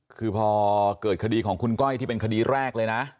คือพอเกิดคดีของคุณก้อยที่เป็นคดีแรกเลยนะ